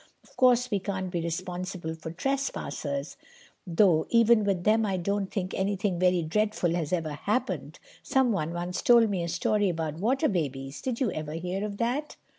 "Of course we can't be responsible for trespassers, though even with them I don't think anything very dreadful has ever happened. Someone once told me a story about Water Babies. Did you ever hear of that?"